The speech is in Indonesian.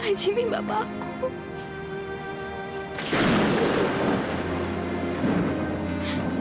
pak jimmy bapak aku